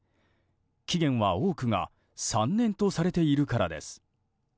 期限は、多くが３年とされているからです。